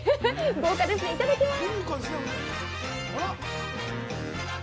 豪華です、いただきます。